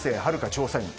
調査員